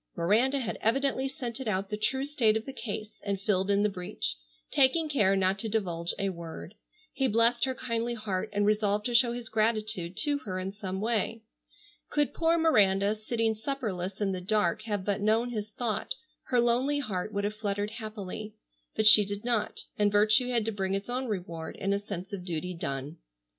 Miranda had evidently scented out the true state of the case and filled in the breach, taking care not to divulge a word. He blest her kindly heart and resolved to show his gratitude to her in some way. Could poor Miranda, sitting supperless in the dark, have but known his thought, her lonely heart would have fluttered happily. But she did not, and virtue had to bring its own reward in a sense of duty done.